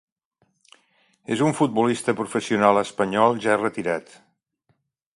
És un futbolista professional espanyol ja retirat.